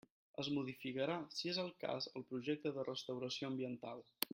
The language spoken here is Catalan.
Es modificarà si és el cas el projecte de restauració ambiental.